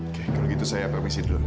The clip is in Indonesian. oke kalau gitu saya habiskan dulu